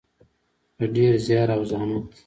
په ډیر زیار او زحمت.